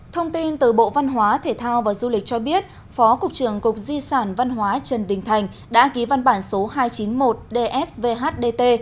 thông tin từ bộ văn hóa thể thao và du lịch cho biết phó cục trưởng cục di sản văn hóa trần đình thành đã ký văn bản số hai trăm chín mươi một dsvhdt